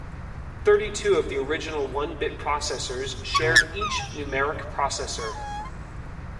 Thirty-two of the original one-bit processors shared each numeric processor.